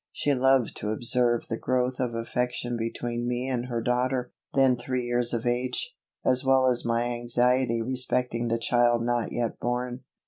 She loved to observe the growth of affection between me and her daughter, then three years of age, as well as my anxiety respecting the child not yet born.